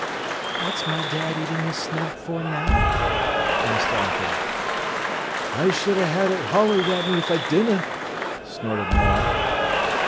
"What's my dad eating his snap for now?" asked Arthur. "I should ha'e it holled at me if I didna," snorted Morel.